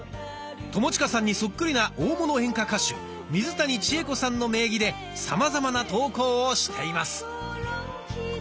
友近さんにそっくりな大物演歌歌手水谷千重子さんの名義でさまざまな投稿をしています。